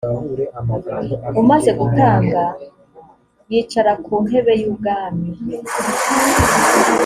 umaze gutanga yicara ku ntebe y ubwami.